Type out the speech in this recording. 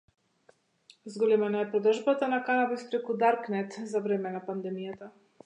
Зголемена е продажбата на канабис преку Даркнет за време на пандемијата